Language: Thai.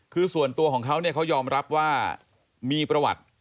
คือส่วนตัวของเขาเนี่ยเขายอมรับว่ามีประวัติ